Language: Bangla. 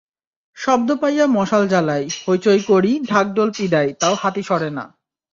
শব্দ পাইয়া মশাল জ্বালাই, হইচই করি, ঢাকঢোল পিডাই, তাও হাতি সরে না।